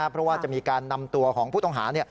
เพราะว่าจะมีการนำตัวของผู้ต้องหา